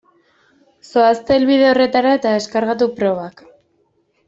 Zoazte helbide horretara eta deskargatu probak.